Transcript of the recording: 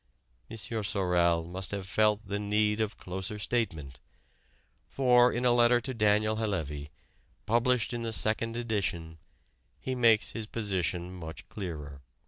M. Sorel must have felt the need of closer statement, for in a letter to Daniel Halèvy, published in the second edition, he makes his position much clearer.